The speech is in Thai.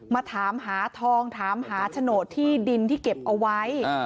มาถามหาทองถามหาโฉนดที่ดินที่เก็บเอาไว้